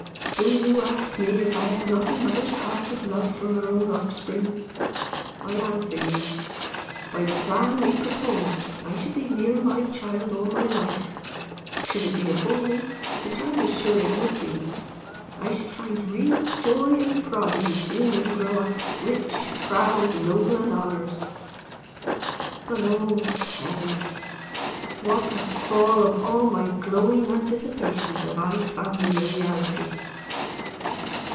"Do you ask me if I had not a mother's heart of love for her own offspring? I answer you by the plan we proposed I should be near my child all my life. Should it be a boy, which I was sure it would be, I should find real joy and pride in seeing him grow up, rich, proud, noble, and honored. But, oh, heavens! what a fall of all my glowing anticipations have I found in the reality!